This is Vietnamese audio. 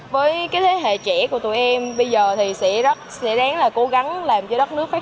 với thế hệ trẻ của tụi em bây giờ thì sẽ đáng là cố gắng làm cho đất nước